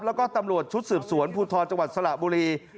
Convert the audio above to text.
แล้วก็ตำรวจชุดสืบสวนภูทรจังหวัดสระบุรี